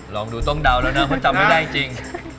ลองดูต้องเดาแล้วนะเขาจำไม่ได้จริง